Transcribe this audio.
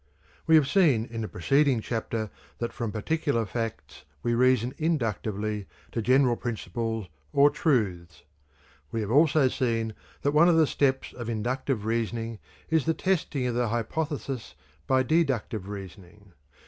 We have seen in the preceding chapter that from particular facts we reason inductively to general principles or truths. We have also seen that one of the steps of inductive reasoning is the testing of the hypothesis by deductive reasoning.